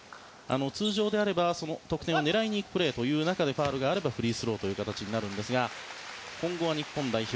通常であれば得点を狙いにいくプレーの中でファウルがあればフリースローという形になるんですが今後は日本代表